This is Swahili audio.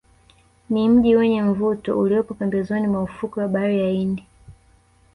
Ni mji wenye mvuto uliopo pembezoni mwa ufukwe wa bahari ya Hindi